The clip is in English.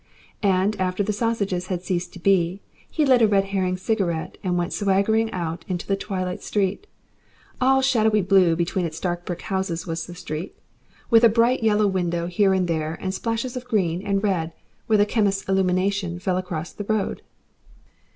And after the sausages had ceased to be, he lit a Red Herring cigarette and went swaggering out into the twilight street. All shadowy blue between its dark brick houses, was the street, with a bright yellow window here and there and splashes of green and red where the chemist's illumination fell across the road.